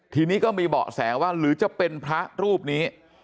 ทีนี้ก็มีเบาะแสว่าหรือจะเป็นพระรูปนี้